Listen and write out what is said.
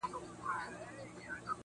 نن مي بيا پنـځه چيلمه ووهـل~